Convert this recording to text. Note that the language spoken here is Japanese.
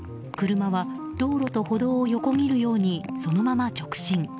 車は道路と歩道を横切るようにそのまま直進。